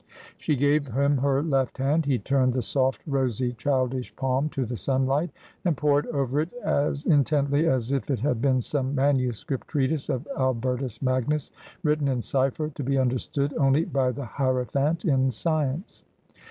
She gave him her left hand. He turned the soft rosy childish palm to the sunlight, and pored over it as intently as if it had been some manuscript treatise of Albertus Magnus, written in cypher, to be understood only by the hierophant in science.